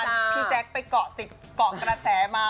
พี่แจ๊กซ์ไปเกาะติดกระแสมา